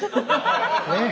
ねえ。